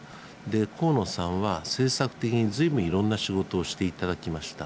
河野さんは政策的にずいぶんいろんな仕事をしていただきました。